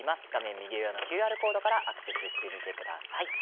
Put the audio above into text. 右上、ＱＲコードからアクセスしてみてください。